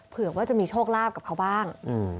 เผื่อว่าจะมีโชคลาภกับเขาบ้าง